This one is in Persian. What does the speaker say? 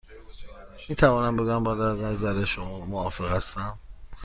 نمی توانم بگویم با نظر شما موافق هستم.